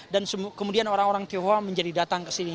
dan kemudian orang orang tionghoa menjadi datang kesini